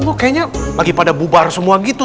oh kayaknya lagi pada bubar semua gitu